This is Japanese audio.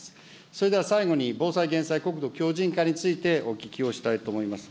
それでは最後に、防災・減災国土強じん化についてお聞きをしたいと思います。